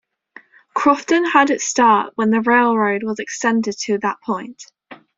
Crofton had its start when the railroad was extended to that point.